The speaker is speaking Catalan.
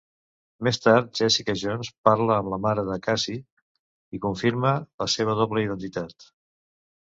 Més tard, Jessica Jones parla amb la mare de Cassie i confirma la seva doble identitat.